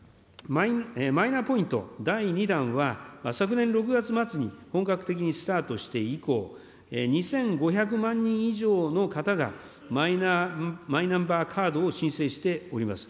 マイナポイント第２弾は、昨年６月末に本格的にスタートして以降、２５００万人以上の方がマイナンバーカードを申請しております。